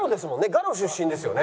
『ガロ』出身ですよね？